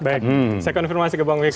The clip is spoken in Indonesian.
oke baik saya konfirmasi ke bang rizky